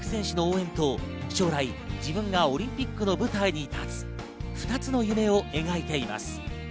現地でのオリンピック選手の応援と将来、自分がオリンピックの舞台に立つ、２つの夢を描いています。